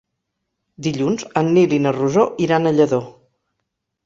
Dilluns en Nil i na Rosó iran a Lladó.